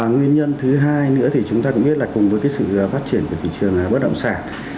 nguyên nhân thứ hai nữa thì chúng ta cũng biết là cùng với sự phát triển của thị trường bất động sản